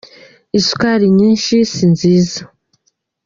isukari nyinshi si nziza